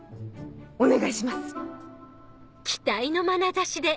お願いします！